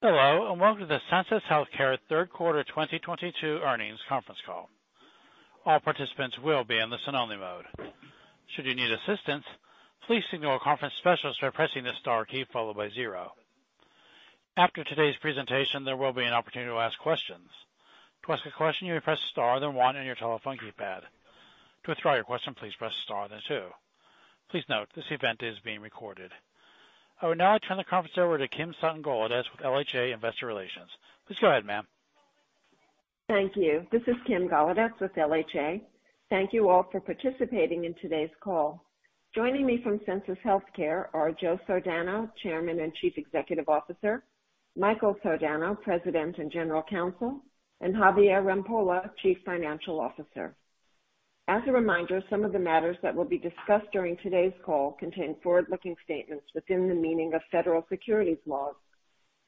Hello, and welcome to the Sensus Healthcare third quarter 2022 earnings conference call. All participants will be in the listen-only mode. Should you need assistance, please signal a conference specialist by pressing the star key followed by zero. After today's presentation, there will be an opportunity to ask questions. To ask a question, you may press Star then One on your telephone keypad. To withdraw your question, please press star then two. Please note this event is being recorded. I would now like to turn the conference over to Kim Sutton Golodetz with LHA Investor Relations. Please go ahead, ma'am. Thank you. This is Kim Golodetz with LHA. Thank you all for participating in today's call. Joining me from Sensus Healthcare are Joe Sardano, Chairman and Chief Executive Officer; Michael Sardano, President and General Counsel; and Javier Rampolla, Chief Financial Officer. As a reminder, some of the matters that will be discussed during today's call contain forward-looking statements within the meaning of federal securities laws.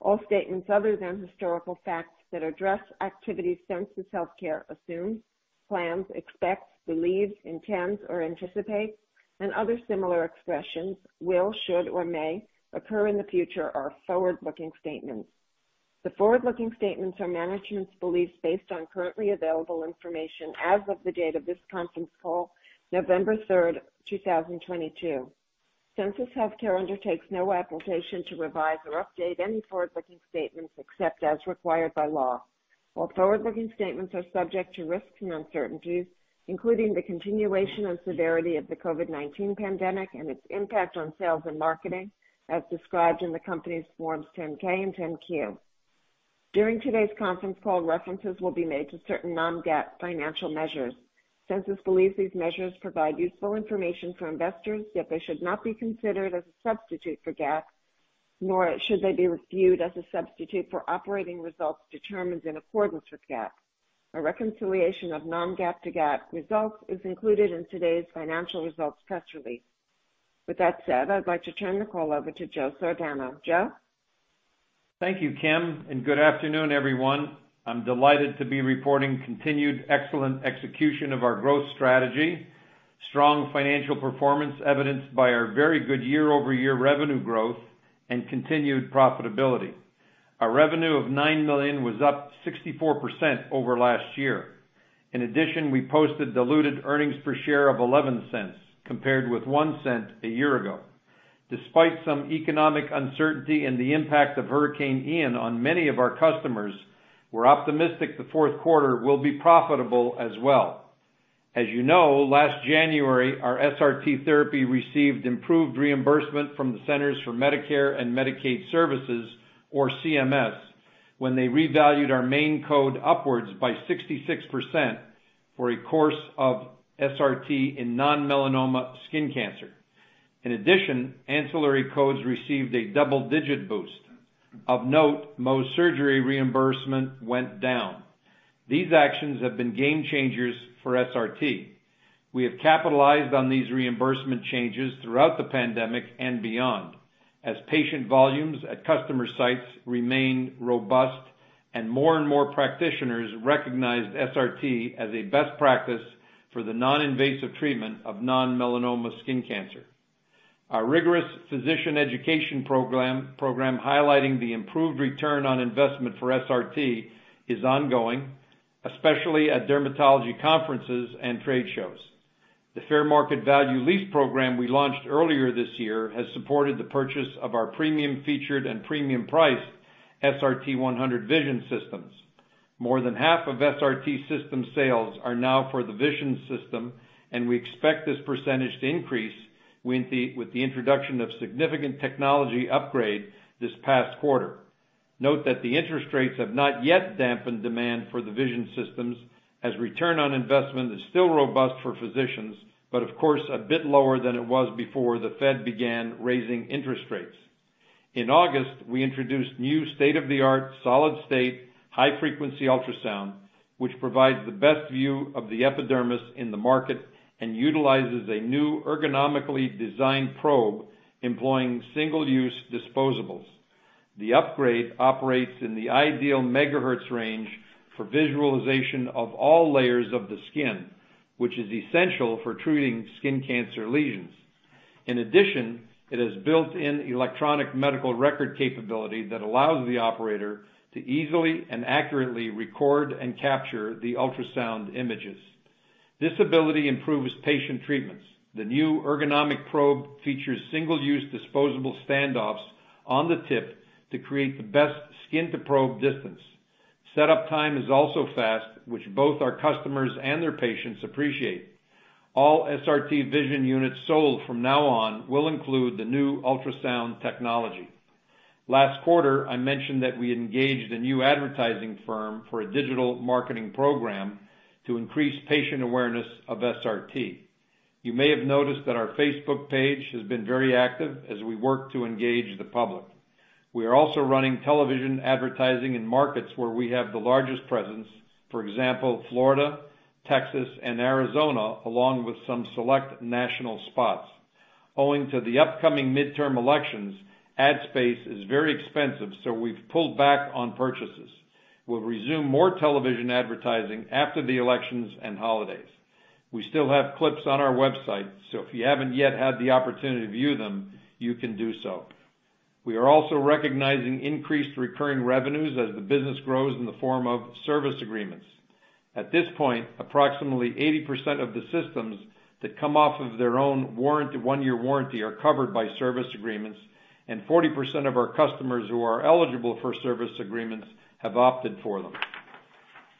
All statements other than historical facts that address activities Sensus Healthcare assume, plan, expect, believe, intend, or anticipate, and other similar expressions will, should, or may occur in the future are forward-looking statements. The forward-looking statements are management's beliefs based on currently available information as of the date of this conference call, November 3rd, 2022. Sensus Healthcare undertakes no obligation to revise or update any forward-looking statements except as required by law. All forward-looking statements are subject to risks and uncertainties, including the continuation and severity of the COVID-19 pandemic and its impact on sales and marketing, as described in the company's Forms 10-K and 10-Q. During today's conference call, references will be made to certain non-GAAP financial measures. Sensus believes these measures provide useful information for investors, yet they should not be considered as a substitute for GAAP, nor should they be reviewed as a substitute for operating results determined in accordance with GAAP. A reconciliation of non-GAAP to GAAP results is included in today's financial results press release. With that said, I'd like to turn the call over to Joe Sardano. Joe? Thank you, Kim, and good afternoon, everyone. I'm delighted to be reporting continued excellent execution of our growth strategy, strong financial performance evidenced by our very good year-over-year revenue growth and continued profitability. Our revenue of $9 million was up 64% over last year. In addition, we posted diluted earnings per share of $0.11 compared with $0.01 a year ago. Despite some economic uncertainty and the impact of Hurricane Ian on many of our customers, we're optimistic the fourth quarter will be profitable as well. As you know, last January, our SRT therapy received improved reimbursement from the Centers for Medicare and Medicaid Services, or CMS, when they revalued our main code upwards by 66% for a course of SRT in non-melanoma skin cancer. In addition, ancillary codes received a double-digit boost. Of note, most surgery reimbursement went down. These actions have been game changers for SRT. We have capitalized on these reimbursement changes throughout the pandemic and beyond, as patient volumes at customer sites remained robust and more and more practitioners recognized SRT as a best practice for the non-invasive treatment of non-melanoma skin cancer. Our rigorous physician education program highlighting the improved return on investment for SRT is ongoing, especially at dermatology conferences and trade shows. The fair market value lease program we launched earlier this year has supported the purchase of our premium featured and premium priced SRT-100 Vision systems. More than half of SRT system sales are now for the Vision system, and we expect this percentage to increase with the introduction of significant technology upgrade this past quarter. Note that the interest rates have not yet dampened demand for the Vision systems as return on investment is still robust for physicians, but of course, a bit lower than it was before the Fed began raising interest rates. In August, we introduced new state-of-the-art solid-state high-frequency ultrasound, which provides the best view of the epidermis in the market and utilizes a new ergonomically designed probe employing single-use disposables. The upgrade operates in the ideal megahertz range for visualization of all layers of the skin, which is essential for treating skin cancer lesions. In addition, it has built-in electronic medical record capability that allows the operator to easily and accurately record and capture the ultrasound images. This ability improves patient treatments. The new ergonomic probe features single use disposable standoffs on the tip to create the best skin-to-probe distance. Setup time is also fast, which both our customers and their patients appreciate. All SRT Vision units sold from now on will include the new ultrasound technology. Last quarter, I mentioned that we engaged a new advertising firm for a digital marketing program to increase patient awareness of SRT. You may have noticed that our Facebook page has been very active as we work to engage the public. We are also running television advertising in markets where we have the largest presence, for example, Florida, Texas, and Arizona, along with some select national spots. Owing to the upcoming midterm elections, ad space is very expensive, so we've pulled back on purchases. We'll resume more television advertising after the elections and holidays. We still have clips on our website, so if you haven't yet had the opportunity to view them, you can do so. We are also recognizing increased recurring revenues as the business grows in the form of service agreements. At this point, approximately 80% of the systems that come off of their own warranty, one-year warranty are covered by service agreements, and 40% of our customers who are eligible for service agreements have opted for them.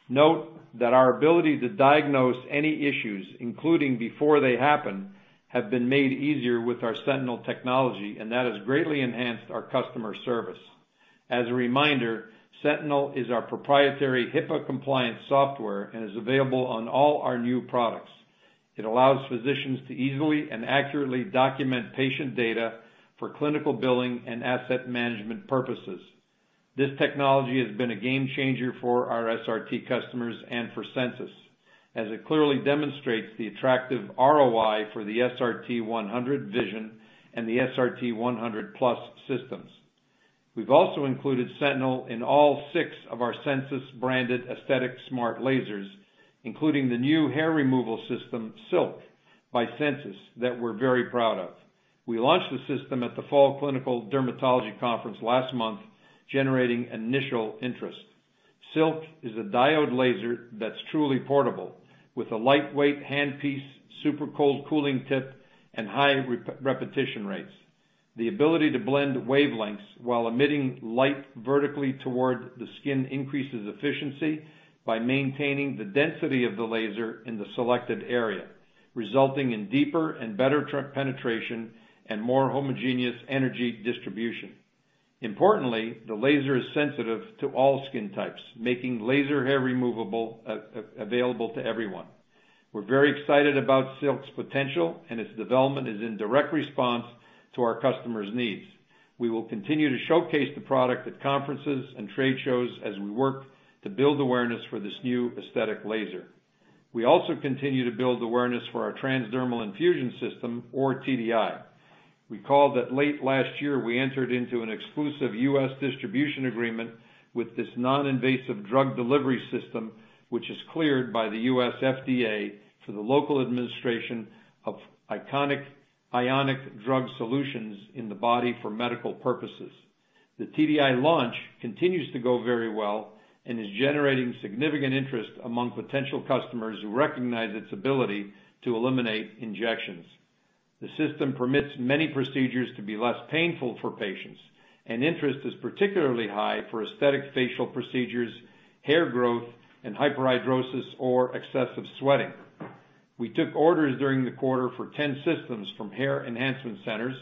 Note that our ability to diagnose any issues, including before they happen, have been made easier with our Sentinel technology, and that has greatly enhanced our customer service. As a reminder, Sentinel is our proprietary HIPAA-compliant software and is available on all our new products. It allows physicians to easily and accurately document patient data for clinical billing and asset management purposes. This technology has been a game-changer for our SRT customers and for Sensus, as it clearly demonstrates the attractive ROI for the SRT-100 Vision and the SRT-100 Plus systems. We've also included Sentinel in all six of our Sensus-branded aesthetic smart lasers, including the new hair removal system, Silk by Sensus, that we're very proud of. We launched the system at the Fall Clinical Dermatology Conference last month, generating initial interest. Silk is a diode laser that's truly portable, with a lightweight hand piece, super cold cooling tip, and high repetition rates. The ability to blend wavelengths while emitting light vertically toward the skin increases efficiency by maintaining the density of the laser in the selected area, resulting in deeper and better penetration and more homogeneous energy distribution. Importantly, the laser is sensitive to all skin types, making laser hair removal available to everyone. We're very excited about Silk's potential, and its development is in direct response to our customers' needs. We will continue to showcase the product at conferences and trade shows as we work to build awareness for this new aesthetic laser. We also continue to build awareness for our TransDermal Infusion System or TDI. Recall that late last year, we entered into an exclusive U.S. distribution agreement with this non-invasive drug delivery system, which is cleared by the U.S. FDA for the local administration of ionic drug solutions in the body for medical purposes. The TDI launch continues to go very well and is generating significant interest among potential customers who recognize its ability to eliminate injections. The system permits many procedures to be less painful for patients, and interest is particularly high for aesthetic facial procedures, hair growth, and hyperhidrosis or excessive sweating. We took orders during the quarter for 10 systems from Hair Enhancement Centers.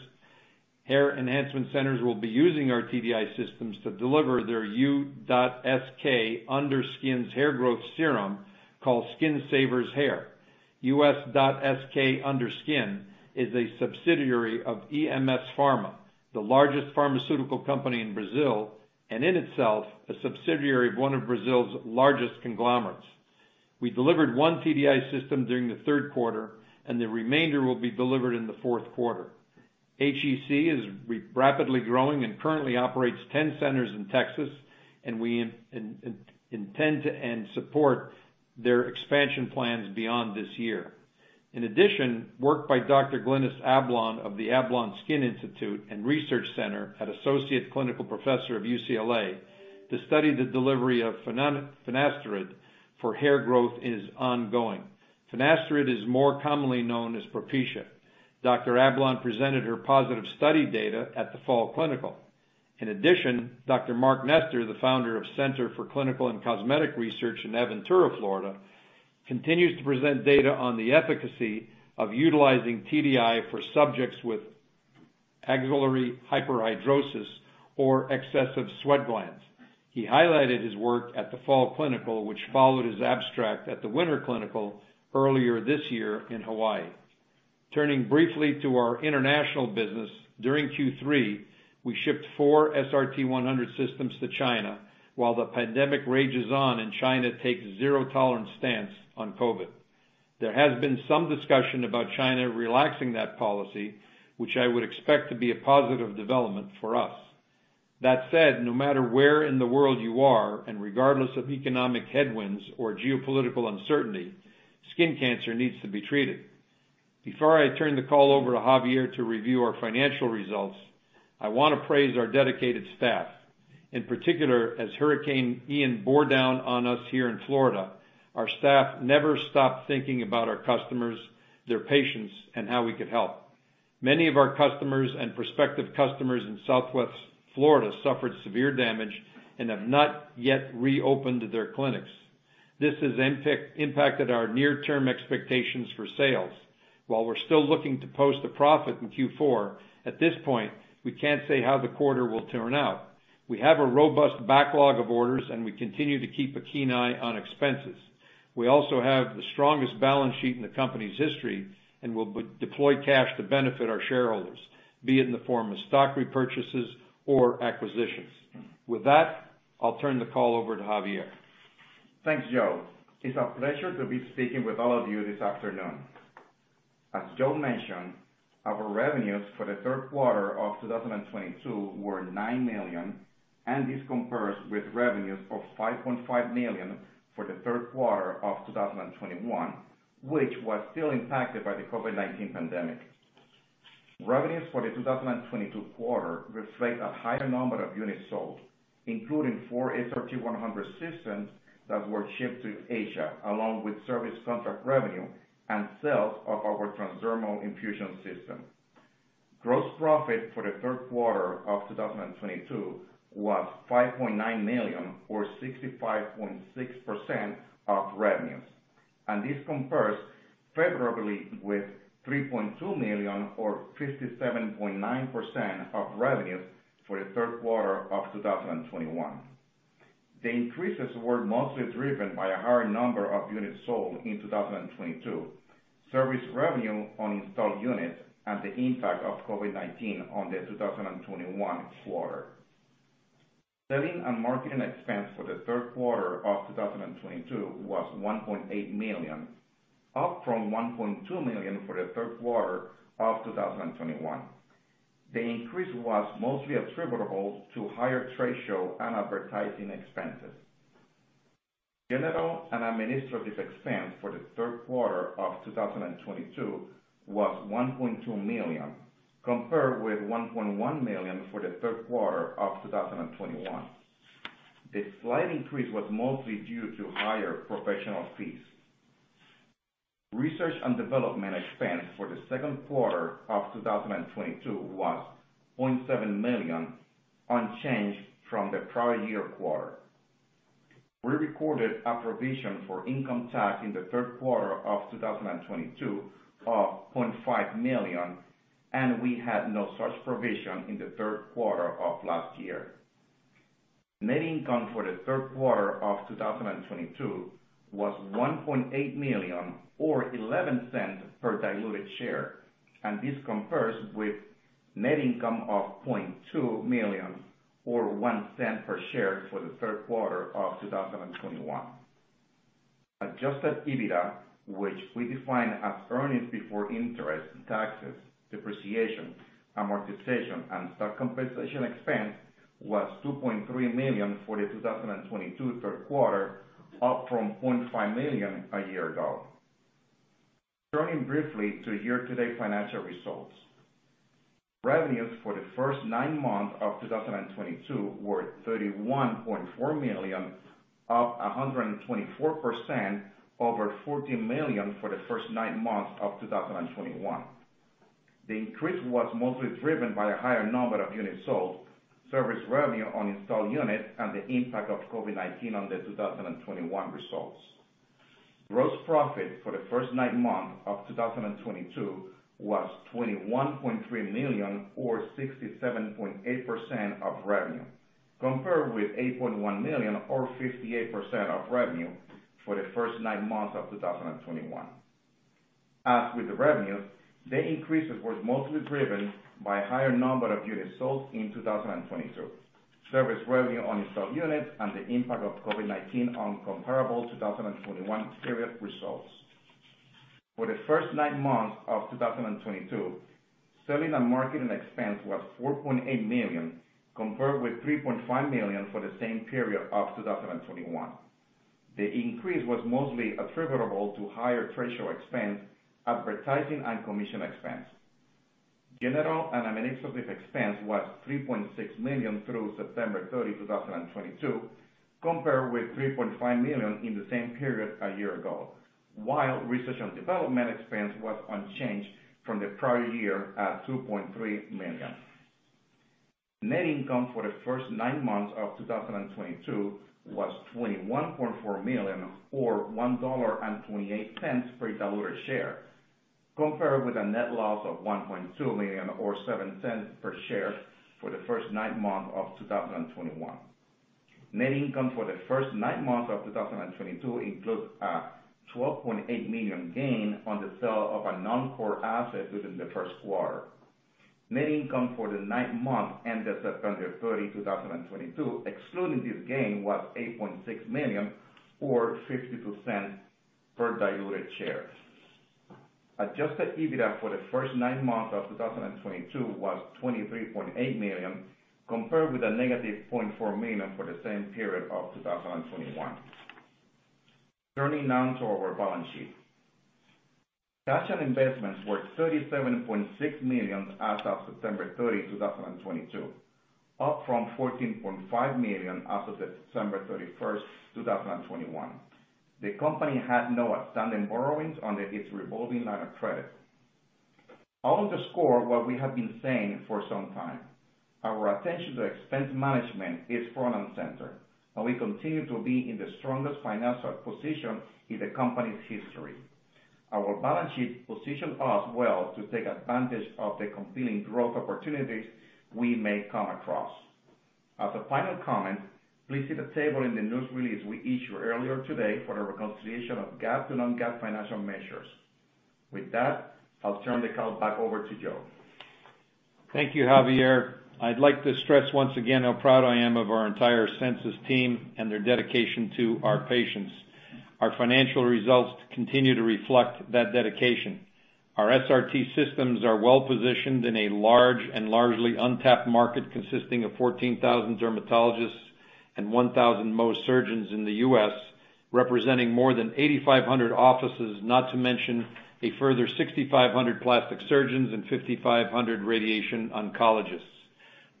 Hair Enhancement Centers will be using our TDI systems to deliver their U.SK Under Skin's hair growth serum called Skin Savers Hair. U.SK Under Skin is a subsidiary of EMS, the largest pharmaceutical company in Brazil, and in itself, a subsidiary of one of Brazil's largest conglomerates. We delivered one TDI system during the third quarter, and the remainder will be delivered in the fourth quarter. HEC is rapidly growing and currently operates ten centers in Texas, and we intend and support their expansion plans beyond this year. In addition, work by Dr. Glynis Ablon of the Ablon Skin Institute and Research Center as Associate Clinical Professor at UCLA to study the delivery of finasteride for hair growth is ongoing. Finasteride is more commonly known as Propecia. Dr. Ablon presented her positive study data at the Fall Clinical. In addition, Dr. Mark Nestor, the founder of Center for Clinical and Cosmetic Research in Aventura, Florida, continues to present data on the efficacy of utilizing TDI for subjects with axillary hyperhidrosis or excessive sweat glands. He highlighted his work at the Fall Clinical, which followed his abstract at the Winter Clinical earlier this year in Hawaii. Turning briefly to our international business, during Q3, we shipped four SRT-100 systems to China while the pandemic rages on and China takes a zero-tolerance stance on COVID. There has been some discussion about China relaxing that policy, which I would expect to be a positive development for us. That said, no matter where in the world you are and regardless of economic headwinds or geopolitical uncertainty, skin cancer needs to be treated. Before I turn the call over to Javier to review our financial results, I want to praise our dedicated staff. In particular, as Hurricane Ian bore down on us here in Florida, our staff never stopped thinking about our customers, their patients, and how we could help. Many of our customers and prospective customers in Southwest Florida suffered severe damage and have not yet reopened their clinics. This has impacted our near-term expectations for sales. While we're still looking to post a profit in Q4, at this point, we can't say how the quarter will turn out. We have a robust backlog of orders, and we continue to keep a keen eye on expenses. We also have the strongest balance sheet in the company's history and will deploy cash to benefit our shareholders, be it in the form of stock repurchases or acquisitions. With that, I'll turn the call over to Javier. Thanks, Joe. It's a pleasure to be speaking with all of you this afternoon. As Joe mentioned, our revenues for the third quarter of 2022 were $9 million, and this compares with revenues of $5.5 million for the third quarter of 2021, which was still impacted by the COVID-19 pandemic. Revenues for the 2022 quarter reflect a higher number of units sold, including four SRT-100 systems that were shipped to Asia, along with service contract revenue and sales of our TransDermal Infusion System. Gross profit for the third quarter of 2022 was $5.9 million or 65.6% of revenues, and this compares favorably with $3.2 million or 57.9% of revenue for the third quarter of 2021. The increases were mostly driven by a higher number of units sold in 2022, service revenue on installed units, and the impact of COVID-19 on the 2021 quarter. Selling and marketing expense for the third quarter of 2022 was $1.8 million, up from $1.2 million for the third quarter of 2021. The increase was mostly attributable to higher trade show and advertising expenses. General and administrative expense for the third quarter of 2022 was $1.2 million, compared with $1.1 million for the third quarter of 2021. The slight increase was mostly due to higher professional fees. Research and development expense for the second quarter of 2022 was $0.7 million, unchanged from the prior year quarter. We recorded a provision for income tax in the third quarter of 2022 of $0.5 million, and we had no such provision in the third quarter of last year. Net income for the third quarter of 2022 was $1.8 million or $0.11 per diluted share, and this compares with net income of $0.2 million or $0.01 per share for the third quarter of 2021. Adjusted EBITDA, which we define as earnings before interest, taxes, depreciation, amortization, and stock compensation expense, was $2.3 million for the 2022 third quarter, up from $0.5 million a year ago. Turning briefly to year-to-date financial results. Revenues for the first nine months of 2022 were $31.4 million, up 124% over $14 million for the first nine months of 2021. The increase was mostly driven by a higher number of units sold, service revenue on installed units, and the impact of COVID-19 on the 2021 results. Gross profit for the first nine months of 2022 was $21.3 million or 67.8% of revenue, compared with $8.1 million or 58% of revenue for the first nine months of 2021. As with the revenue, the increases were mostly driven by a higher number of units sold in 2022, service revenue on installed units, and the impact of COVID-19 on comparable 2021 period results. For the first nine months of 2022, selling and marketing expense was $4.8 million, compared with $3.5 million for the same period of 2021. The increase was mostly attributable to higher trade show expense, advertising, and commission expense. General and administrative expense was $3.6 million through September 30, 2022, compared with $3.5 million in the same period a year ago. While research and development expense was unchanged from the prior year at $2.3 million. Net income for the first nine months of 2022 was $21.4 million or $1.28 per diluted share, compared with a net loss of $1.2 million or $0.07 per share for the first nine months of 2021. Net income for the first nine months of 2022 includes a $12.8 million gain on the sale of a non-core asset within the first quarter. Net income for the nine months ended September 30, 2022, excluding this gain, was $8.6 million or $0.52 per diluted share. Adjusted EBITDA for the first nine months of 2022 was $23.8 million, compared with a $-0.4 million for the same period of 2021. Turning now to our balance sheet. Cash and investments were $37.6 million as of September 30, 2022, up from $14.5 million as of December 31st, 2021. The company had no outstanding borrowings under its revolving line of credit. I want to underscore what we have been saying for some time. Our attention to expense management is front and center, and we continue to be in the strongest financial position in the company's history. Our balance sheet position us well to take advantage of the compelling growth opportunities we may come across. As a final comment, please see the table in the news release we issued earlier today for the reconciliation of GAAP to non-GAAP financial measures. With that, I'll turn the call back over to Joe. Thank you, Javier. I'd like to stress once again how proud I am of our entire Sensus team and their dedication to our patients. Our financial results continue to reflect that dedication. Our SRT systems are well-positioned in a large and largely untapped market consisting of 14,000 dermatologists and 1,000 Mohs surgeons in the U.S., representing more than 8,500 offices, not to mention a further 6,500 plastic surgeons and 5,500 radiation oncologists.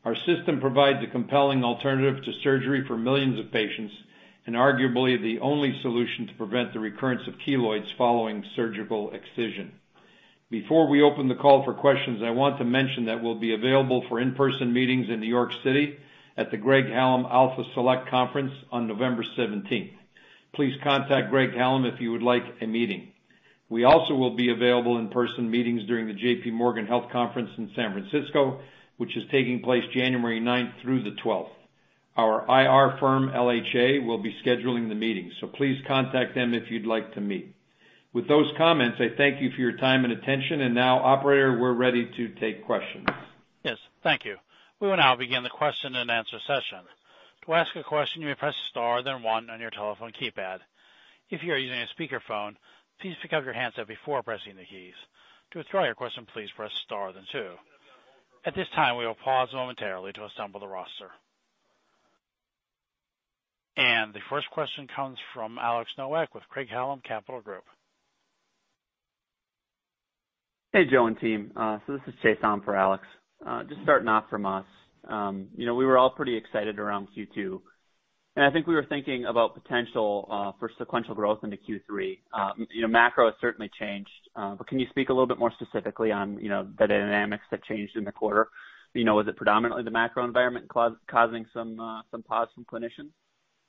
Our system provide a compelling alternative to surgery for millions of patients, and arguably the only solution to prevent the recurrence of keloids following surgical excision. Before we open the call for questions, I want to mention that we'll be available for in-person meetings in New York City at the Craig-Hallum Alpha Select Conference on November 17. Please contact Craig-Hallum if you would like a meeting. We also will be available in-person meetings during the JPMorgan Healthcare Conference in San Francisco, which is taking place January 9th through the 12th. Our IR firm, LHA, will be scheduling the meetings, so please contact them if you'd like to meet. With those comments, I thank you for your time and attention. Now, operator, we're ready to take questions. Yes. Thank you. We will now begin the question-and-answer session. To ask a question, you may press star, then one on your telephone keypad. If you are using a speakerphone, please pick up your handset before pressing the keys. To withdraw your question, please press star, then two. At this time, we will pause momentarily to assemble the roster. The first question comes from Alex Nowak with Craig-Hallum Capital Group. Hey, Joe and team. This is Chase on for Alex. Just starting off from us, you know, we were all pretty excited around Q2, and I think we were thinking about potential for sequential growth into Q3. You know, macro has certainly changed, but can you speak a little bit more specifically on, you know, the dynamics that changed in the quarter? You know, was it predominantly the macro environment causing some pause from clinicians?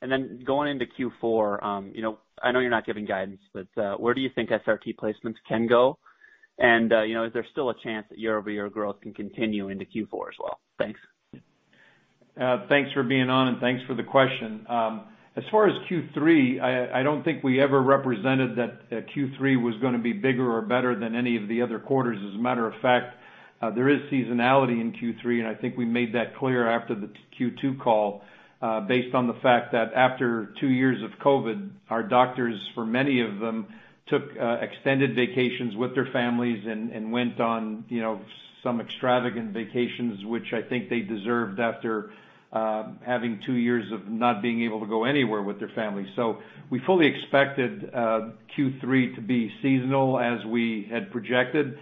Then going into Q4, you know, I know you're not giving guidance, but where do you think SRT placements can go? You know, is there still a chance that year-over-year growth can continue into Q4 as well? Thanks. Thanks for being on, and thanks for the question. As far as Q3, I don't think we ever represented that Q3 was gonna be bigger or better than any of the other quarters. As a matter of fact, there is seasonality in Q3, and I think we made that clear after the Q2 call, based on the fact that after two years of COVID, our doctors, for many of them, took extended vacations with their families and went on, you know, some extravagant vacations, which I think they deserved after having two years of not being able to go anywhere with their families. So we fully expected Q3 to be seasonal as we had projected.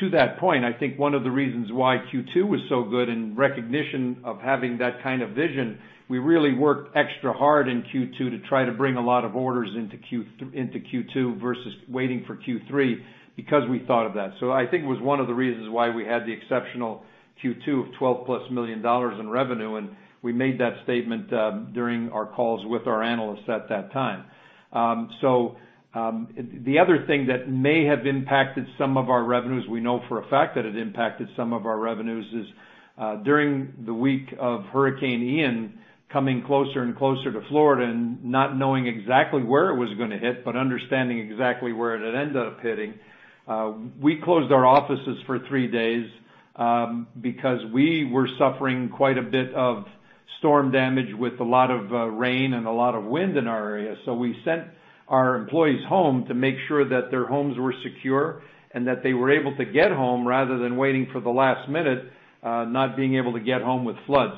To that point, I think one of the reasons why Q2 was so good in recognition of having that kind of vision, we really worked extra hard in Q2 to try to bring a lot of orders into Q2 versus waiting for Q3 because we thought of that. I think it was one of the reasons why we had the exceptional Q2 of $12+ million in revenue, and we made that statement during our calls with our analysts at that time. The other thing that may have impacted some of our revenues, we know for a fact that it impacted some of our revenues is during the week of Hurricane Ian coming closer and closer to Florida and not knowing exactly where it was gonna hit, but understanding exactly where it had ended up hitting, we closed our offices for three days because we were suffering quite a bit of storm damage with a lot of rain and a lot of wind in our area. We sent our employees home to make sure that their homes were secure and that they were able to get home rather than waiting for the last minute, not being able to get home with flood.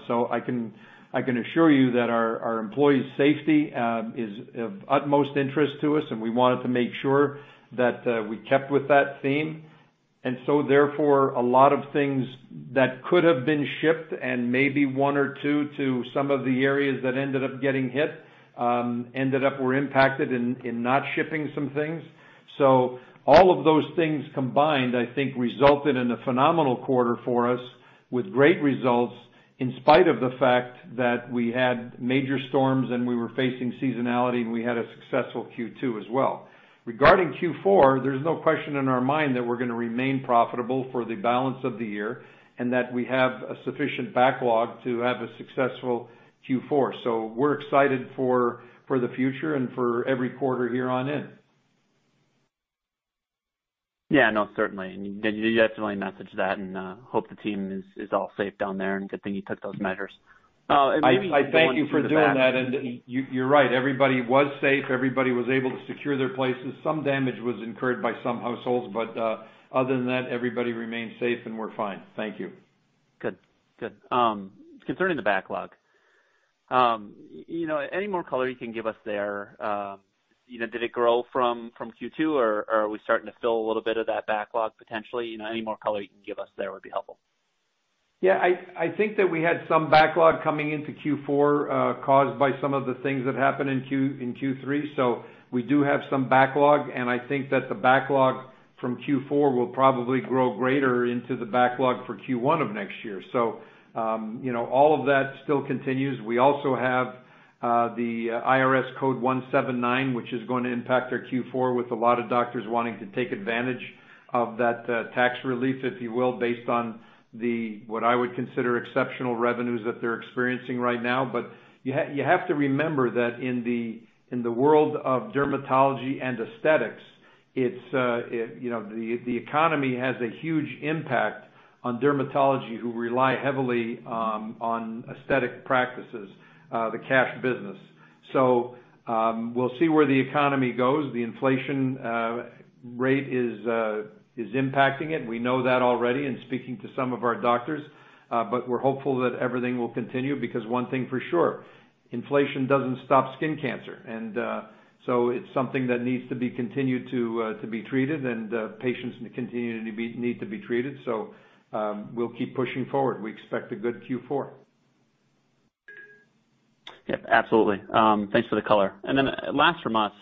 I can assure you that our employees' safety is of utmost interest to us, and we wanted to make sure that we kept with that theme. A lot of things that could have been shipped and maybe one or two to some of the areas that ended up getting hit ended up being impacted in not shipping some things. All of those things combined, I think, resulted in a phenomenal quarter for us with great results, in spite of the fact that we had major storms and we were facing seasonality, and we had a successful Q2 as well. Regarding Q4, there's no question in our mind that we're gonna remain profitable for the balance of the year, and that we have a sufficient backlog to have a successful Q4. We're excited for the future and for every quarter here on in. Yeah, no, certainly. You definitely mentioned that and hope the team is all safe down there, and good thing you took those measures. I thank you for doing that. You, you're right. Everybody was safe. Everybody was able to secure their places. Some damage was incurred by some households, but other than that, everybody remained safe, and we're fine. Thank you. Good. Good. Concerning the backlog, you know, any more color you can give us there, you know, did it grow from Q2, or are we starting to fill a little bit of that backlog potentially? You know, any more color you can give us there would be helpful. I think that we had some backlog coming into Q4, caused by some of the things that happened in Q3. So we do have some backlog, and I think that the backlog from Q4 will probably grow greater into the backlog for Q1 of next year. So you know, all of that still continues. We also have the IRS Code 179, which is going to impact our Q4 with a lot of doctors wanting to take advantage of that tax relief, if you will, based on the, what I would consider exceptional revenues that they're experiencing right now. But you have to remember that in the world of dermatology and aesthetics. It's it. You know, the economy has a huge impact on dermatology who rely heavily on aesthetic practices, the cash business. So we'll see where the economy goes. The inflation rate is impacting it. We know that already in speaking to some of our doctors. But we're hopeful that everything will continue because one thing for sure, inflation doesn't stop skin cancer. It's something that needs to be continued to be treated and patients continue to need to be treated. We'll keep pushing forward. We expect a good Q4. Yep, absolutely. Thanks for the color. Last from us.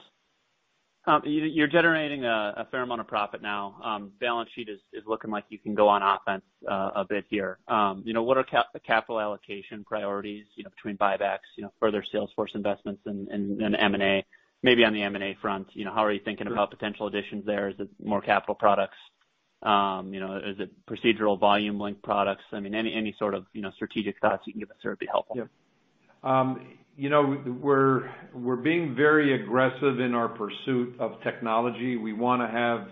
You're generating a fair amount of profit now. Balance sheet is looking like you can go on offense a bit here. You know, what are capital allocation priorities between buybacks, you know, further sales force investments and M&A? Maybe on the M&A front, you know, how are you thinking about potential additions there? Is it more capital products? You know, is it procedural volume-linked products? I mean, any sort of, you know, strategic thoughts you can give us there would be helpful. Yeah. You know, we're being very aggressive in our pursuit of technology. We wanna have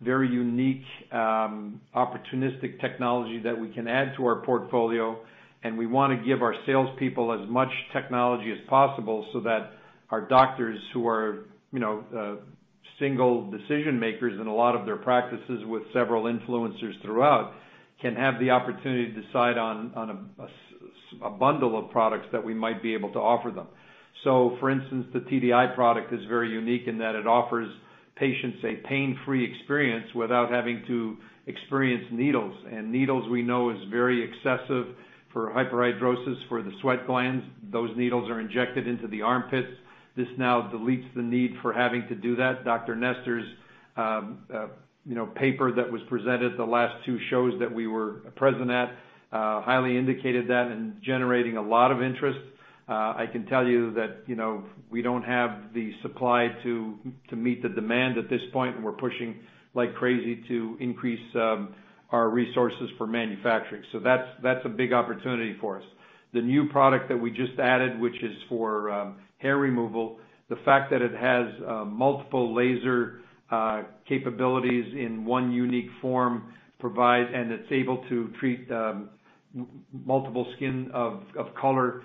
very unique, opportunistic technology that we can add to our portfolio, and we wanna give our salespeople as much technology as possible so that our doctors who are, you know, single decision-makers in a lot of their practices with several influencers throughout, can have the opportunity to decide on a bundle of products that we might be able to offer them. For instance, the TDI product is very unique in that it offers patients a pain-free experience without having to experience needles. Needles we know is very excessive for hyperhidrosis, for the sweat glands. Those needles are injected into the armpits. This now deletes the need for having to do that. Dr. Nestor’s, you know, paper that was presented the last two shows that we were present at highly indicated that and generating a lot of interest. I can tell you that, you know, we don't have the supply to meet the demand at this point, and we're pushing like crazy to increase our resources for manufacturing. So that's a big opportunity for us. The new product that we just added, which is for hair removal, the fact that it has multiple laser capabilities in one unique form provides, and it's able to treat multiple skin of color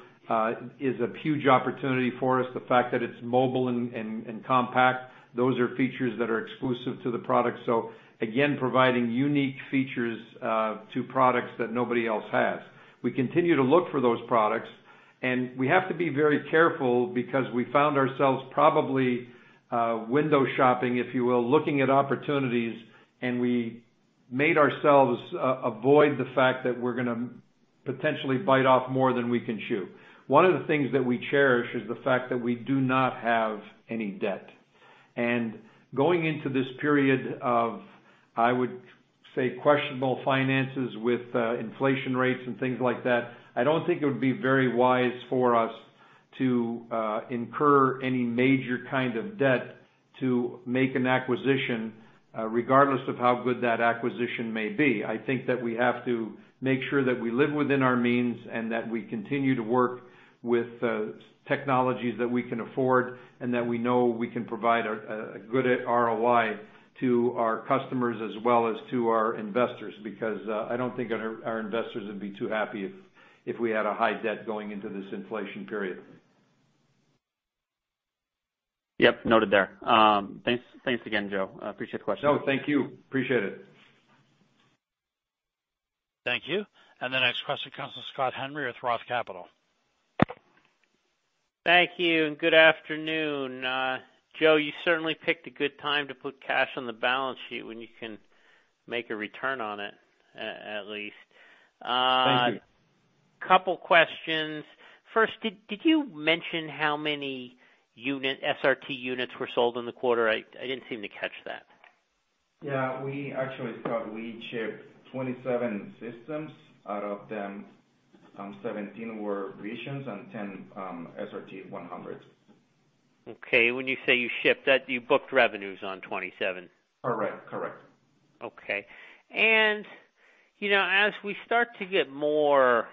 is a huge opportunity for us. The fact that it's mobile and compact, those are features that are exclusive to the product, so again, providing unique features to products that nobody else has. We continue to look for those products, and we have to be very careful because we found ourselves probably, window shopping, if you will, looking at opportunities, and we made ourselves, avoid the fact that we're gonna potentially bite off more than we can chew. One of the things that we cherish is the fact that we do not have any debt. Going into this period of, I would say, questionable finances with, inflation rates and things like that, I don't think it would be very wise for us to, incur any major kind of debt to make an acquisition, regardless of how good that acquisition may be. I think that we have to make sure that we live within our means and that we continue to work with technologies that we can afford and that we know we can provide a good ROI to our customers as well as to our investors. Because, I don't think our investors would be too happy if we had a high debt going into this inflation period. Yep, noted there. Thanks again, Joe. I appreciate the question. No, thank you. Appreciate it. Thank you. The next question comes from Scott Henry with Roth Capital. Thank you, and good afternoon. Joe, you certainly picked a good time to put cash on the balance sheet when you can make a return on it, at least. Thank you. Couple questions. First, did you mention how many SRT units were sold in the quarter? I didn't seem to catch that. Yeah, we actually, Scott, we shipped 27 systems. Out of them, 17 were Visions and 10 SRT-100. Okay. When you say you shipped, that you booked revenues on 27? Correct, correct. Okay. You know, as we start to get more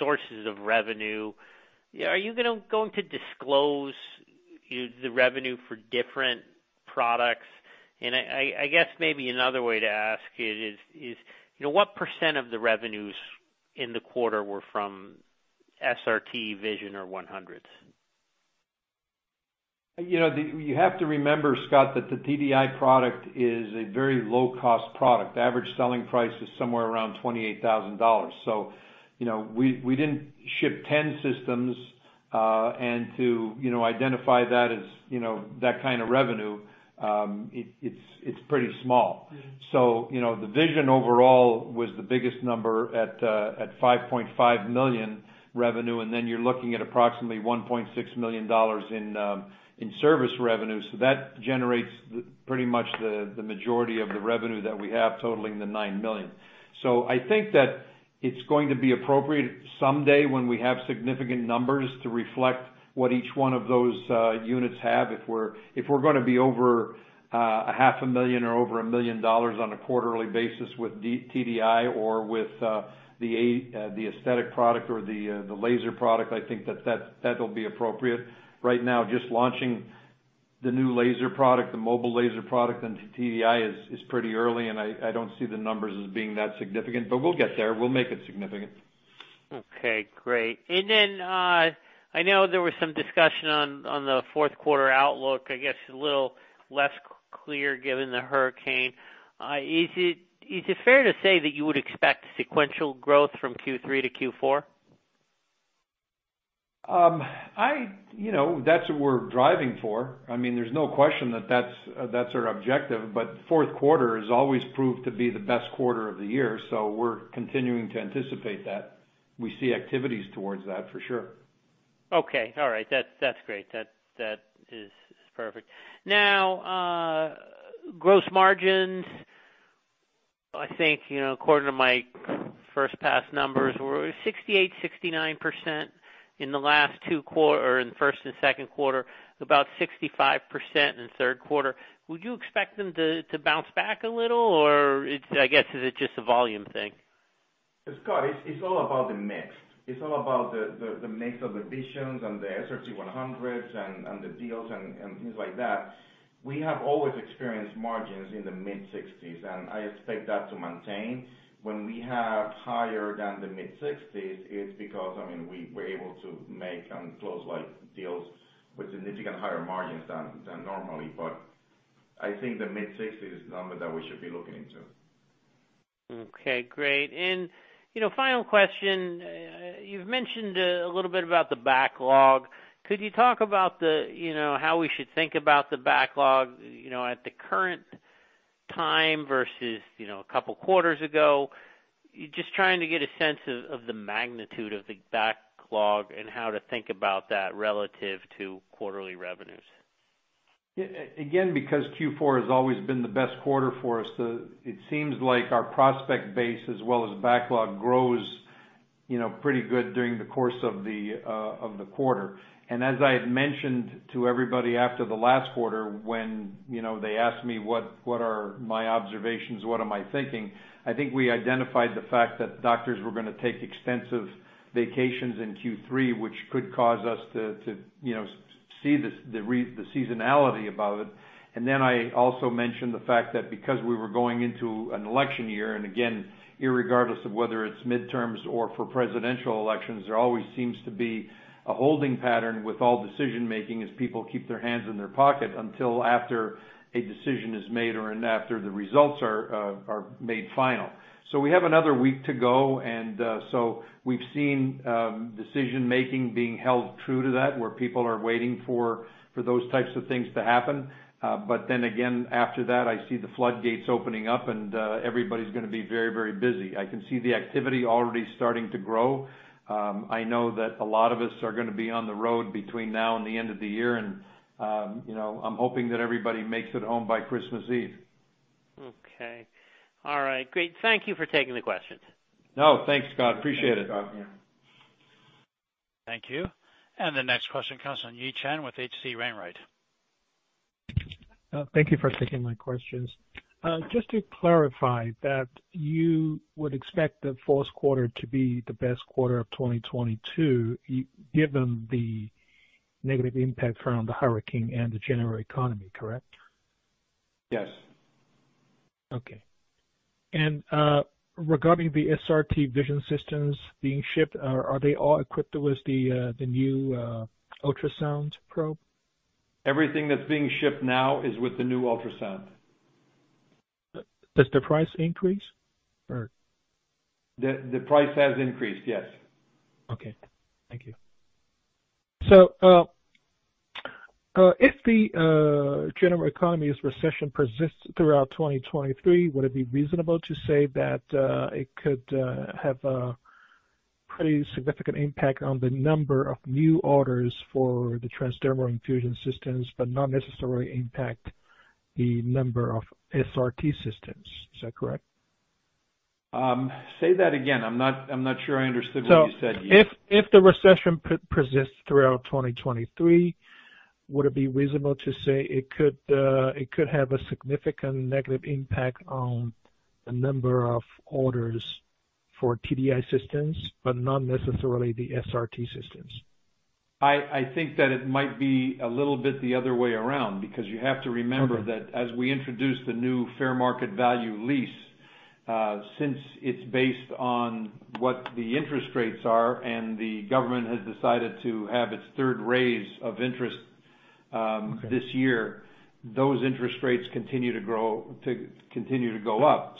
sources of revenue, are you going to disclose the revenue for different products? I guess maybe another way to ask it is what percent of the revenues in the quarter were from SRT Vision or 100? You know, you have to remember, Scott, that the TDI product is a very low-cost product. Average selling price is somewhere around $28,000. You know, we didn't ship 10 systems. You know, to identify that as, you know, that kind of revenue, it's pretty small. You know, the Vision overall was the biggest number at $5.5 million revenue, and then you're looking at approximately $1.6 million in service revenue. So that generates pretty much the majority of the revenue that we have, totaling the $9 million. I think that it's going to be appropriate someday when we have significant numbers to reflect what each one of those units have. If we're gonna be over a $0.5 million or over a $1 million on a quarterly basis with TDI or with the aesthetic product or the laser product, I think that'll be appropriate. Right now, just launching the new laser product, the mobile laser product and TDI is pretty early, and I don't see the numbers as being that significant, but we'll get there. We'll make it significant. Okay, great. Then, I know there was some discussion on the fourth quarter outlook, I guess a little less clear given the hurricane. Is it fair to say that you would expect sequential growth from Q3 to Q4? You know, that's what we're driving for. I mean, there's no question that that's our objective, but fourth quarter has always proved to be the best quarter of the year, so we're continuing to anticipate that. We see activities towards that for sure. Okay. All right. That's great. That is perfect. Now, gross margins, I think, you know, according to my first pass numbers were 68%-69% in the first and second quarter, about 65% in the third quarter. Would you expect them to bounce back a little or I guess is it just a volume thing? Scott, it's all about the mix. It's all about the mix of Vision and the SRT-100 and the deals and things like that. We have always experienced margins in the mid-60s, and I expect that to maintain. When we have higher than the mid-60s, it's because, I mean, we're able to make and close, like, deals with significantly higher margins than normally. I think the mid-60s is the number that we should be looking into. Okay, great. You know, final question. You've mentioned a little bit about the backlog. Could you talk about the, you know, how we should think about the backlog, you know, at the current time versus, you know, a couple quarters ago? Just trying to get a sense of the magnitude of the backlog and how to think about that relative to quarterly revenues? Again, because Q4 has always been the best quarter for us, it seems like our prospect base as well as backlog grows, you know, pretty good during the course of the quarter. And as I had mentioned to everybody after the last quarter when, you know, they asked me what are my observations, what am I thinking, I think we identified the fact that doctors were gonna take extensive vacations in Q3, which could cause us to, you know, see this, the seasonality about it. I also mentioned the fact that because we were going into an election year, and again, irregardless of whether it's midterms or for presidential elections, there always seems to be a holding pattern with all decision-making as people keep their hands in their pocket until after a decision is made or, and after the results are made final. We have another week to go and, so we've seen decision-making being held true to that, where people are waiting for those types of things to happen. Again, after that, I see the floodgates opening up and, everybody's gonna be very, very busy. I can see the activity already starting to grow. I know that a lot of us are gonna be on the road between now and the end of the year and, you know, I'm hoping that everybody makes it home by Christmas Eve. Okay. All right. Great. Thank you for taking the questions. No, thanks, Scott. Appreciate it. Thank you. The next question comes from Yi Chen with H.C. Wainwright. Thank you for taking my questions. Just to clarify that you would expect the fourth quarter to be the best quarter of 2022, given the negative impact around the hurricane and the general economy, correct? Yes. Okay. Regarding the SRT Vision systems being shipped, are they all equipped with the new ultrasound probe? Everything that's being shipped now is with the new ultrasound. Does the price increase or? The price has increased, yes. Okay. Thank you. If the general economy's recession persists throughout 2023, would it be reasonable to say that it could have a pretty significant impact on the number of new orders for the TransDermal Infusion Systems, but not necessarily impact the number of SRT systems? Is that correct? Say that again. I'm not sure I understood what you said, Yi. If the recession persists throughout 2023, would it be reasonable to say it could have a significant negative impact on the number of orders for TDI systems, but not necessarily the SRT systems? I think that it might be a little bit the other way around, because you have to remember that as we introduce the new fair market value lease, since it's based on what the interest rates are and the government has decided to have its third raise of interest. This year, those interest rates continue to go up.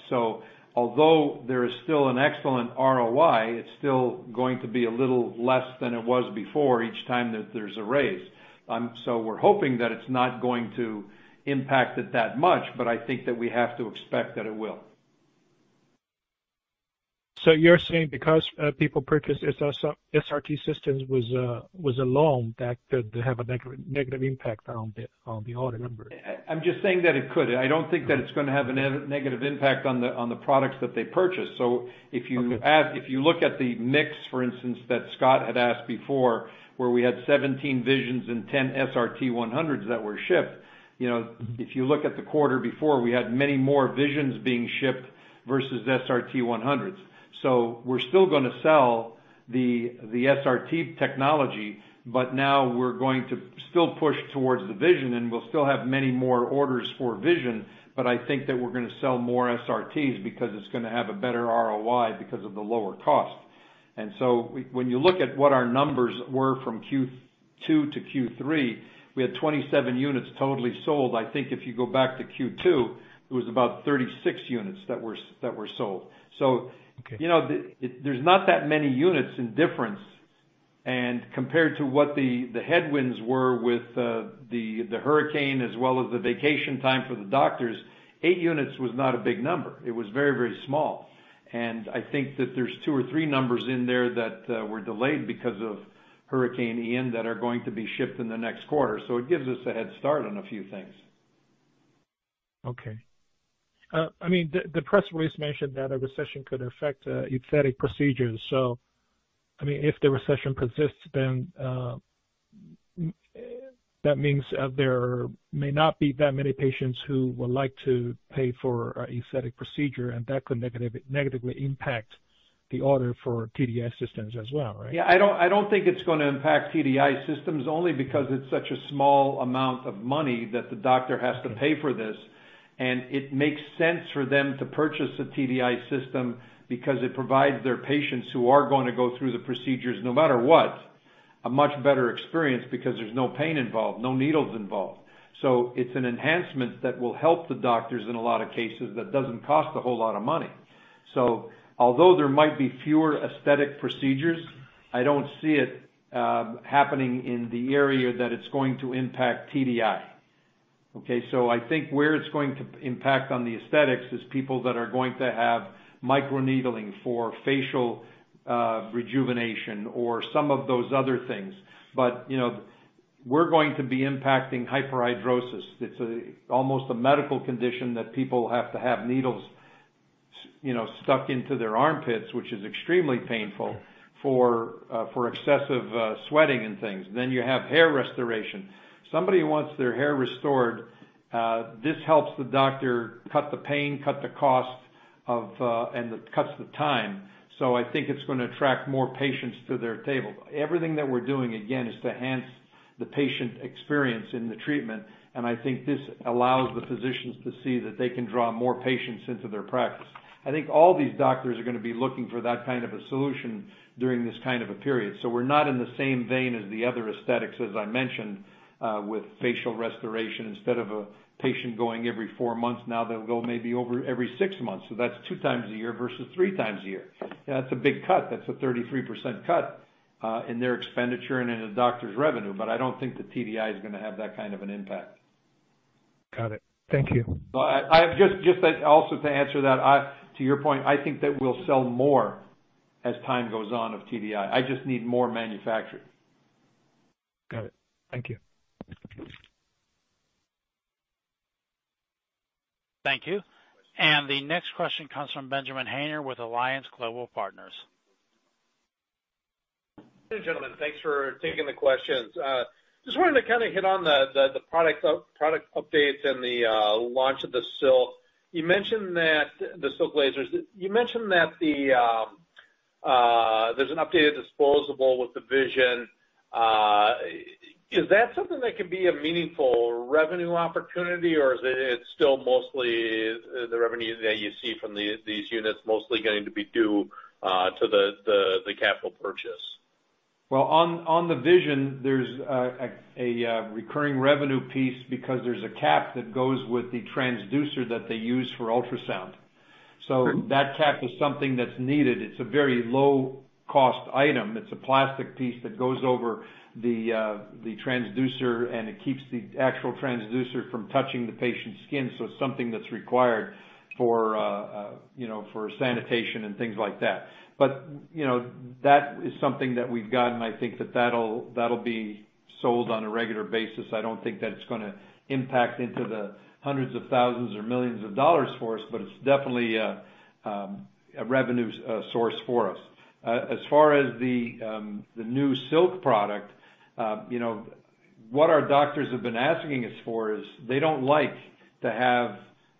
Although there is still an excellent ROI, it's still going to be a little less than it was before each time that there's a raise. We're hoping that it's not going to impact it that much, but I think that we have to expect that it will. You're saying because people purchase SRT systems with a loan, that could have a negative impact on the order number. I'm just saying that it could. I don't think that it's gonna have a negative impact on the, on the products that they purchase. If you ask- Okay. If you look at the mix, for instance, that Scott had asked before, where we had 17 Visions and 10 SRT-100s that were shipped. You know, if you look at the quarter before, we had many more Visions being shipped versus SRT-100s. We're still gonna sell the SRT technology, but now we're going to still push towards the Vision, and we'll still have many more orders for Vision. But I think that we're gonna sell more SRT because it's gonna have a better ROI because of the lower cost. And so when you look at what our numbers were from Q2 to Q3, we had 27 units totally sold. I think if you go back to Q2, it was about 36 units that were sold. You know, there's not that many units in difference, and compared to what the headwinds were with the hurricane as well as the vacation time for the doctors, eight units was not a big number. It was very, very small. I think that there's two or three numbers in there that were delayed because of Hurricane Ian that are going to be shipped in the next quarter. It gives us a head start on a few things. Okay. I mean, the press release mentioned that a recession could affect aesthetic procedures. I mean, if the recession persists, that means there may not be that many patients who would like to pay for a aesthetic procedure, and that could negatively impact the order for TDI systems as well, right? Yeah. I don't think it's gonna impact TDI systems only because it's such a small amount of money that the doctor has to pay for this. It makes sense for them to purchase a TDI system because it provides their patients who are gonna go through the procedures, no matter what, a much better experience because there's no pain involved, no needles involved. It's an enhancement that will help the doctors in a lot of cases that doesn't cost a whole lot of money. Although there might be fewer aesthetic procedures, I don't see it happening in the area that it's going to impact TDI. Okay. I think where it's going to impact on the aesthetics is people that are going to have microneedling for facial rejuvenation or some of those other things. You know, we're going to be impacting hyperhidrosis. It's almost a medical condition that people have to have needles, you know, stuck into their armpits, which is extremely painful for excessive sweating and things. You have hair restoration. Somebody who wants their hair restored, this helps the doctor cut the pain, cut the cost of, and it cuts the time. I think it's gonna attract more patients to their table. Everything that we're doing, again, is to enhance the patient experience in the treatment, and I think this allows the physicians to see that they can draw more patients into their practice. I think all these doctors are gonna be looking for that kind of a solution during this kind of a period. We're not in the same vein as the other aesthetics, as I mentioned, with facial restoration. Instead of a patient going every four months, now they'll go maybe over every six months. That's two times a year versus three times a year. That's a big cut. That's a 33% cut in their expenditure and in a doctor's revenue. I don't think the TDI is gonna have that kind of an impact. Got it. Thank you. I just like also to answer that, to your point, I think that we'll sell more as time goes on of TDI. I just need more manufacturing. Got it. Thank you. Thank you. The next question comes from Benjamin Haynor with Alliance Global Partners. Good gentlemen. Thanks for taking the questions. Just wanted to kinda hit on the product updates and the launch of the Silk. You mentioned that the Silk lasers. You mentioned that there's an updated disposable with the Vision. Is that something that could be a meaningful revenue opportunity, or is it still mostly the revenues that you see from these units mostly going to be due to the capital purchase? Well, on the Vision, there's a recurring revenue piece because there's a cap that goes with the transducer that they use for ultrasound. Okay. That cap is something that's needed. It's a very low cost item. It's a plastic piece that goes over the transducer, and it keeps the actual transducer from touching the patient's skin. It's something that's required for you know, for sanitation and things like that. But you know, that is something that we've gotten. I think that'll be sold on a regular basis. I don't think that it's gonna impact into the hundreds of thousands or millions of dollars for us, but it's definitely a revenue source for us. As far as the new Silk product, you know, what our doctors have been asking us for is they don't like to have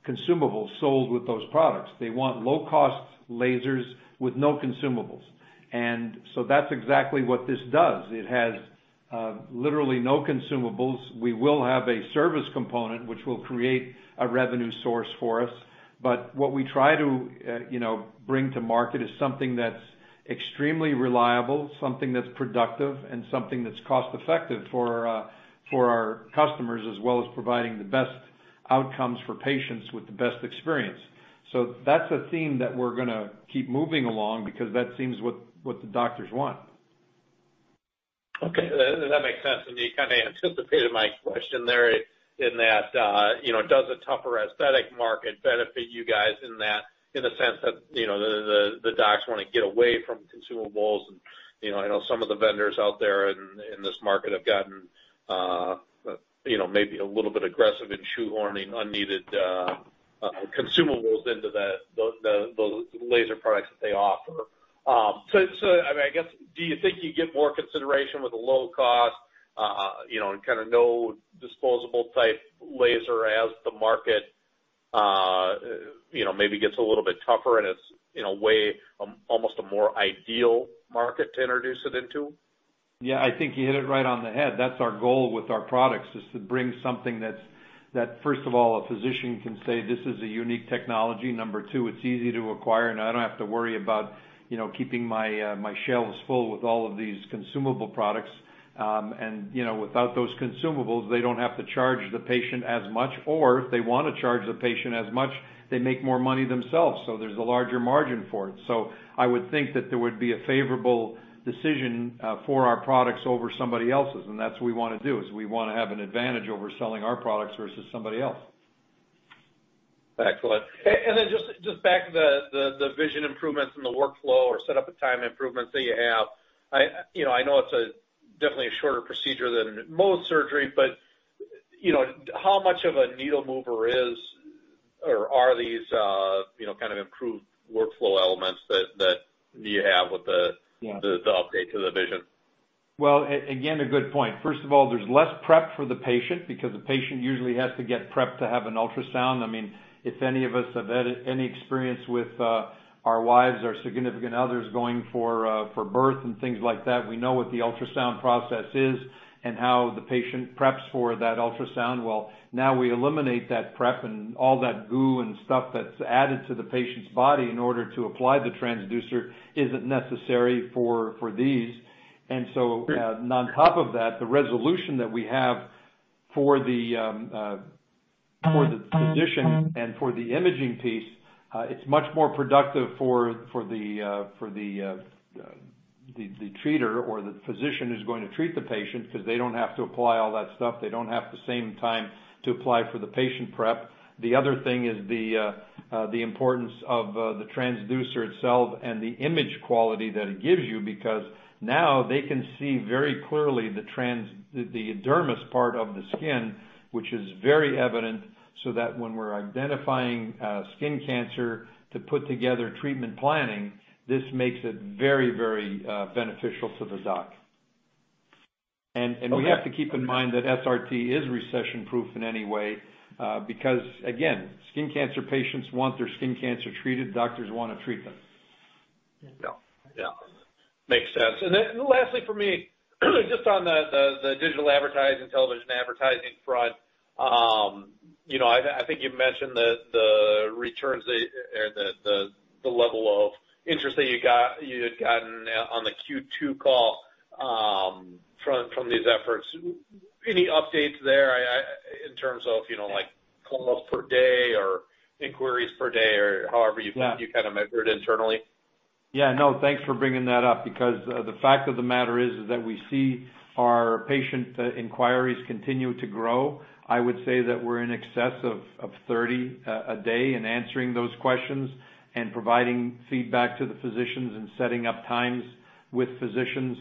consumables sold with those products. They want low cost lasers with no consumables. That's exactly what this does. It has literally no consumables. We will have a service component, which will create a revenue source for us. What we try to, you know, bring to market is something that's extremely reliable, something that's productive, and something that's cost-effective for our customers, as well as providing the best outcomes for patients with the best experience. So that's a theme that we're gonna keep moving along because that seems what the doctors want. Okay. That makes sense. You kinda anticipated my question there in that, you know, does a tougher aesthetic market benefit you guys in that, in the sense that, you know, the docs wanna get away from consumables and, you know, I know some of the vendors out there in this market have gotten, you know, maybe a little bit aggressive in shoehorning unneeded consumables into the laser products that they offer. So I mean, I guess, do you think you get more consideration with a low cost, you know, and kinda no disposable type laser as the market, you know, maybe gets a little bit tougher and it's, in a way, almost a more ideal market to introduce it into? Yeah, I think you hit it right on the head. That's our goal with our products, is to bring something that's first of all, a physician can say, "This is a unique technology. Number two, it's easy to acquire, and I don't have to worry about, you know, keeping my shelves full with all of these consumable products." And, you know, without those consumables, they don't have to charge the patient as much, or if they wanna charge the patient as much, they make more money themselves, so there's a larger margin for it. I would think that there would be a favorable decision for our products over somebody else's, and that's what we wanna do, is we wanna have an advantage over selling our products versus somebody else. Excellent. Just back to the Vision improvements and the workflow or setup time improvements that you have. You know, I know it's definitely a shorter procedure than most surgery, but you know, how much of a needle mover is or are these, you know, kind of improved workflow elements that you have with the- Yeah. the update to the Vision? Well, again, a good point. First of all, there's less prep for the patient because the patient usually has to get prepped to have an ultrasound. I mean, if any of us have had any experience with our wives or significant others going for birth and things like that, we know what the ultrasound process is and how the patient preps for that ultrasound. Well, now we eliminate that prep and all that goo and stuff that's added to the patient's body in order to apply the transducer isn't necessary for these. Great. On top of that, the resolution that we have for the physician and for the imaging piece, it's much more productive for the treater or the physician who's going to treat the patient 'cause they don't have to apply all that stuff. They don't have the same time to apply for the patient prep. The other thing is the importance of the transducer itself and the image quality that it gives you because now they can see very clearly the dermis part of the skin, which is very evident, so that when we're identifying skin cancer to put together treatment planning, this makes it very, very beneficial to the doc. Okay. We have to keep in mind that SRT is recession-proof in any way, because again, skin cancer patients want their skin cancer treated, doctors wanna treat them. Yeah. Yeah. Makes sense. Lastly for me, just on the digital advertising, television advertising front, you know, I think you mentioned the returns or the level of interest that you had gotten on the Q2 call, from these efforts. Any updates there? In terms of, you know, like calls per day or inquiries per day or however you kind of measure it internally. Yeah, no, thanks for bringing that up because the fact of the matter is that we see our patient inquiries continue to grow. I would say that we're in excess of 30 a day in answering those questions and providing feedback to the physicians and setting up times with physicians,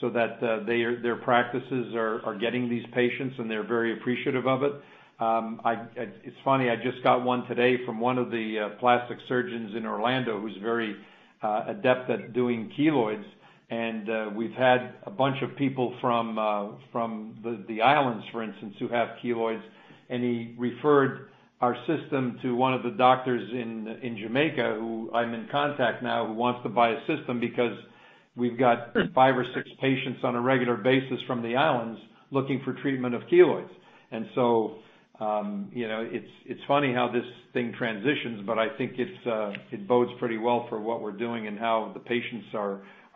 so that their practices are getting these patients, and they're very appreciative of it. It's funny, I just got one today from one of the plastic surgeons in Orlando who's very adept at doing keloids. We've had a bunch of people from the islands, for instance, who have keloids. He referred our system to one of the doctors in Jamaica, who I'm in contact now, who wants to buy a system because we've got five or six patients on a regular basis from the islands looking for treatment of keloids. It's funny how this thing transitions, but I think it bodes pretty well for what we're doing and how the patients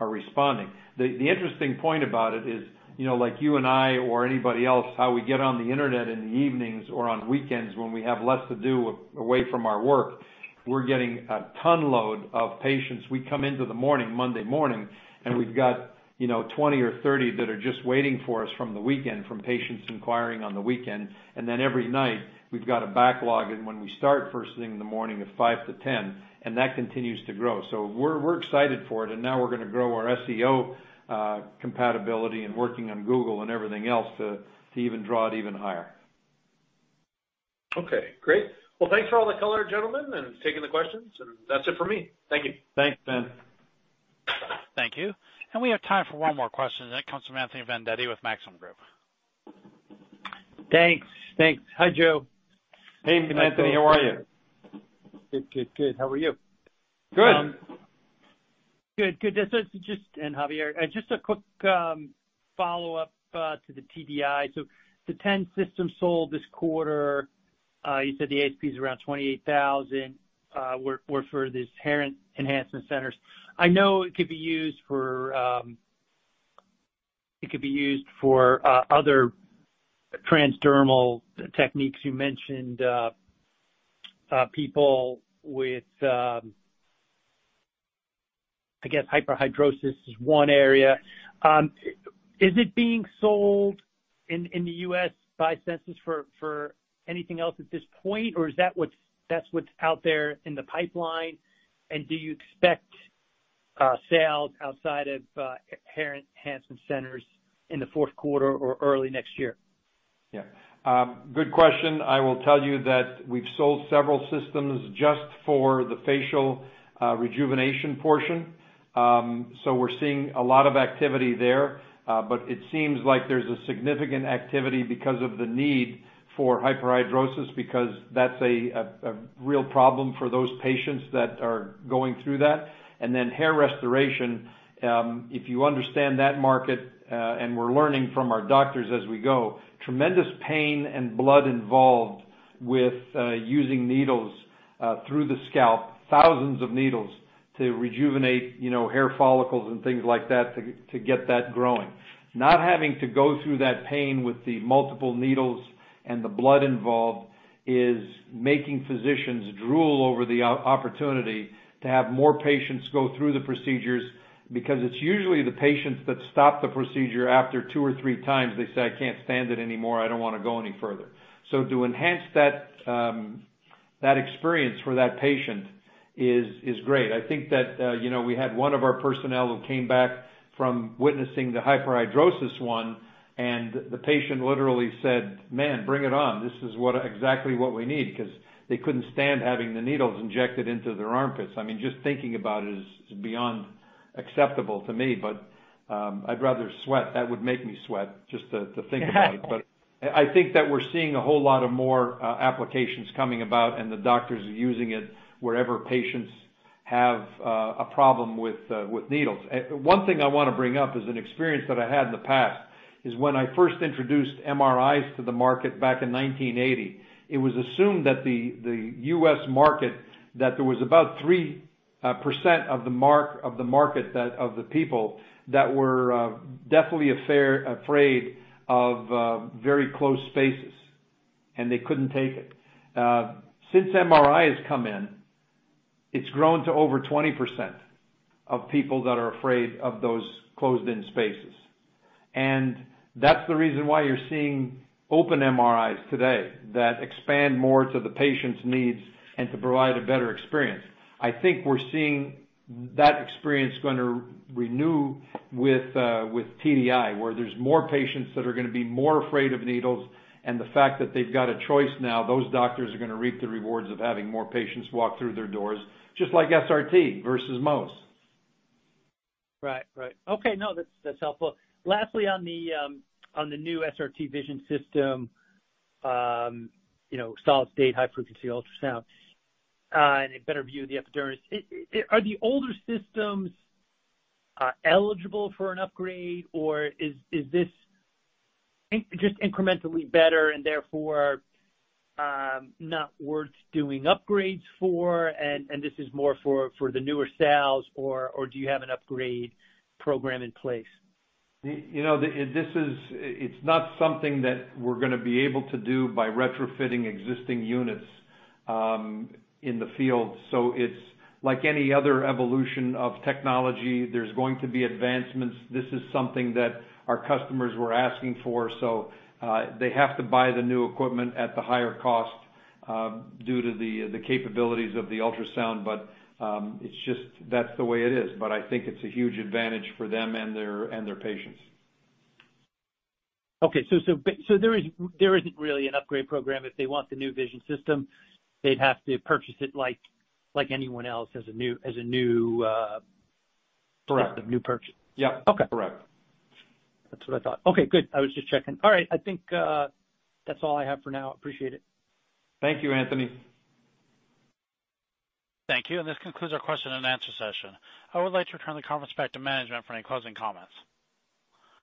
are responding. The interesting point about it is, you know, like you and I or anybody else, how we get on the Internet in the evenings or on weekends when we have less to do away from our work, we're getting a ton of patients. We come into the morning, Monday morning, and we've got, you know, 20 or 30 that are just waiting for us from the weekend from patients inquiring on the weekend. And then every night, we've got a backlog. When we start first thing in the morning of five to 10, and that continues to grow. We're excited for it. Now we're gonna grow our SEO compatibility and working on Google and everything else to even draw it even higher. Okay, great. Well, thanks for all the color, gentlemen, and taking the questions. That's it for me. Thank you. Thanks, Ben. Thank you. We have time for one more question, and that comes from Anthony Vendetti with Maxim Group. Thanks. Hi, Joe. Hey, Anthony. How are you? Good. How are you? Good. Good. Good. Javier, just a quick follow-up to the TDI. The 10 systems sold this quarter, you said the ASP is around $28,000, were for this Hair Enhancement Centers. I know it could be used for other transdermal techniques. You mentioned people with, I guess hyperhidrosis is one area. Is it being sold in the U.S. by Sensus for anything else at this point? Or is that what's out there in the pipeline? Do you expect sales outside of Hair Enhancement Centers in the fourth quarter or early next year? Yeah. Good question. I will tell you that we've sold several systems just for the facial rejuvenation portion. So we're seeing a lot of activity there. But it seems like there's a significant activity because of the need for hyperhidrosis because that's a real problem for those patients that are going through that. And then hair restoration, if you understand that market, and we're learning from our doctors as we go, tremendous pain and blood involved with using needles through the scalp, thousands of needles to rejuvenate, you know, hair follicles and things like that to get that growing. Not having to go through that pain with the multiple needles and the blood involved is making physicians drool over the opportunity to have more patients go through the procedures because it's usually the patients that stop the procedure after two or three times. They say, "I can't stand it anymore. I don't wanna go any further." To enhance that experience for that patient is great. I think that, you know, we had one of our personnel who came back from witnessing the hyperhidrosis one, and the patient literally said, "Man, bring it on. This is exactly what we need," 'cause they couldn't stand having the needles injected into their armpits. I mean, just thinking about it is beyond acceptable to me. I'd rather sweat. That would make me sweat just to think about it. I think that we're seeing a whole lot more applications coming about, and the doctors are using it wherever patients have a problem with needles. One thing I wanna bring up is an experience that I had in the past is when I first introduced MRIs to the market back in 1980, it was assumed that the U.S. market, that there was about 3% of the market that, of the people that were definitely afraid of very close spaces, and they couldn't take it. Since MRI has come in, it's grown to over 20% of people that are afraid of those closed-in spaces. That's the reason why you're seeing open MRIs today that expand more to the patient's needs and to provide a better experience. I think we're seeing that experience gonna renew with with TDI, where there's more patients that are gonna be more afraid of needles. The fact that they've got a choice now, those doctors are gonna reap the rewards of having more patients walk through their doors, just like SRT versus Mohs. Right. Okay. No, that's helpful. Lastly, on the new SRT Vision system, you know, solid-state, high-frequency ultrasound, and a better view of the epidermis. Are the older systems eligible for an upgrade, or is this just incrementally better and therefore not worth doing upgrades for, and this is more for the newer sales, or do you have an upgrade program in place? You know, this is not something that we're gonna be able to do by retrofitting existing units in the field. It's like any other evolution of technology. There's going to be advancements. This is something that our customers were asking for. They have to buy the new equipment at the higher cost due to the capabilities of the ultrasound. It's just, that's the way it is. I think it's a huge advantage for them and their patients. There isn't really an upgrade program. If they want the new Vision system, they'd have to purchase it like anyone else as a new- Correct. New purchase. Yep. Okay. Correct. That's what I thought. Okay, good. I was just checking. All right. I think, that's all I have for now. Appreciate it. Thank you, Anthony. Thank you. This concludes our question and answer session. I would like to return the conference back to management for any closing comments.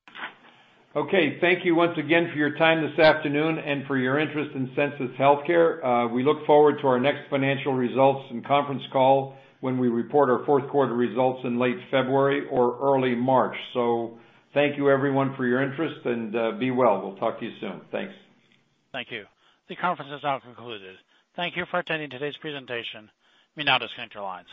Okay. Thank you once again for your time this afternoon and for your interest in Sensus Healthcare. We look forward to our next financial results and conference call when we report our fourth quarter results in late February or early March. Thank you, everyone, for your interest and, be well. We'll talk to you soon. Thanks. Thank you. The conference has now concluded. Thank you for attending today's presentation. You may now disconnect your lines.